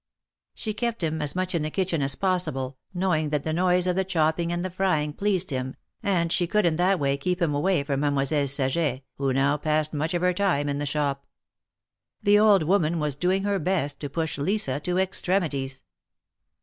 She kept him as much in the kitchen as possible, know ing that the noise of the chopping and the frying pleased him, and she could in that way keep him away from Mademoiselle Saget, who now passed much of her time in the shop. The old woman was doing her best to push Lisa to extremities.